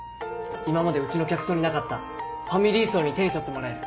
今までうちの客層になかったファミリー層に手に取ってもらえる。